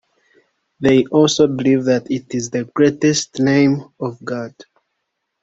They also believe that it is the greatest name of God.